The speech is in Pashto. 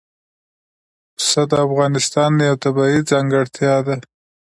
پسه د افغانستان یوه طبیعي ځانګړتیا ده.